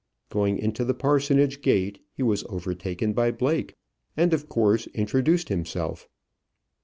Going into the parsonage gate he was overtaken by Blake, and of course introduced himself.